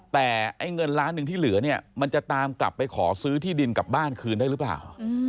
แต่ไอ้เงินล้านหนึ่งที่เหลือเนี่ยมันจะตามกลับไปขอซื้อที่ดินกลับบ้านคืนได้หรือเปล่า